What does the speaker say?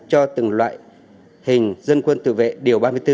cho từng loại hình dân quân tự vệ điều ba mươi bốn